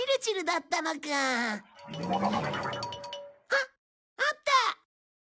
あっあった！